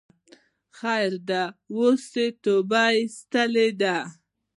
خیر ده اوس یی توبه ویستلی ده